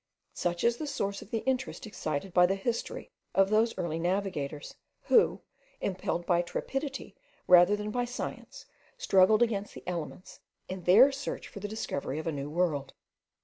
Such is the source of the interest excited by the history of those early navigators, who, impelled by intrepidity rather than by science, struggled against the elements in their search for the discovery of a new world.